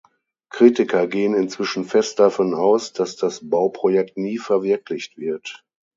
Kritiker gehen inzwischen fest davon aus, dass das Bauprojekt nie verwirklicht wird.